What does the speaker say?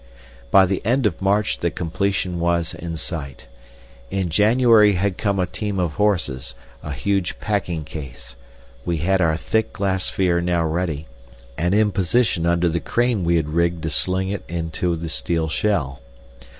By the end of March the completion was in sight. In January had come a team of horses, a huge packing case; we had our thick glass sphere now ready, and in position under the crane we had rigged to sling it into the steel shell.